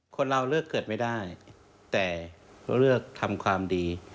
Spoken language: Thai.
คนเราเลือกเกิดไม่ได้แต่เลือกทำความดี